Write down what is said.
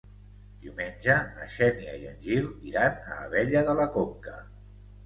Diumenge na Xènia i en Gil iran a Abella de la Conca.